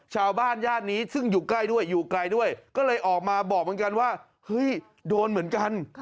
ญาตินี้ซึ่งอยู่ใกล้ด้วยอยู่ไกลด้วยก็เลยออกมาบอกเหมือนกันว่าเฮ้ยโดนเหมือนกัน